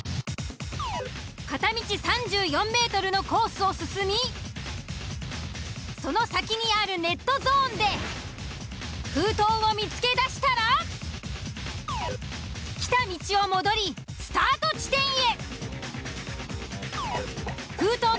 片道３４ｍのコースを進みその先にあるネットゾーンで封筒を見つけ出したら来た道を戻りスタート地点へ。